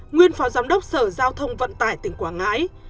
nguyên phó giám đốc sở giao thông vận tải tỉnh quảng ngãi